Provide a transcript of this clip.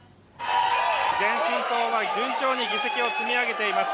前進党は順調に議席を積み上げています。